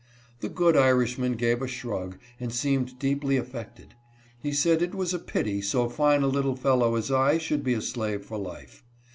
The good Irishman gave a shrug, and seemed deeply affected. He said it was a pity so fine a little fellow as I should be a slave for life.